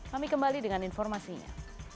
kami kembali dengan informasinya